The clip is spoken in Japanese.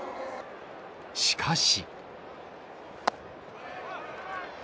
しかし。